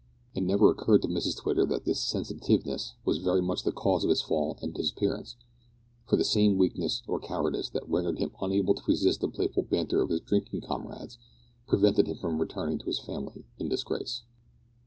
It never occurred to Mrs Twitter that this sensitiveness was very much the cause of his fall and disappearance, for the same weakness, or cowardice, that rendered him unable to resist the playful banter of his drinking comrades, prevented him from returning to his family in disgrace.